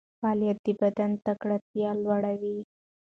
فعالیت د بدن تکړتیا لوړوي.